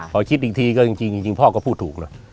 พอคิดอีกทีก็จริงพ่อก็พูดถูกนะ